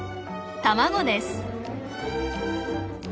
卵です。